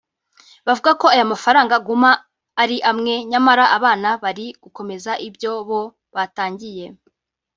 Bavuga ko aya mafaranga aguma ari amwe nyamara abana bari gukomeza ibyo bo batangiye